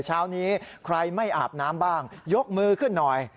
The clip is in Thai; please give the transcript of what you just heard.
เช้านี้ใครไม่อาบน้ำบ้างยกมือขึ้นหน่อย